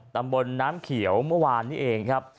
ตำบลน้ำเขียวเมื่อวานนี้เองครับ